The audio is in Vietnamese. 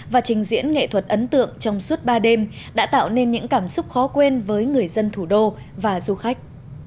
và trình diễn nghệ thuật ấn tượng trong suốt ba đêm đã tạo nên những cảm xúc khó quên với người dân thủ đô và du khách